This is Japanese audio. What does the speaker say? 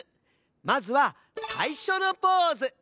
まずはさいしょのポーズ。